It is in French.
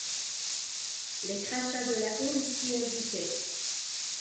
Les crachats de la houle s’y ajoutaient.